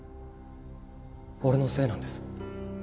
俺のせいなんです。